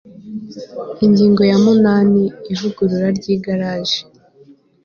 ingingo ya munani ivugururwa ry' irage